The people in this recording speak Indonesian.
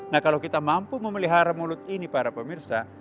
nah kalau kita mampu memelihara mulut ini para pemirsa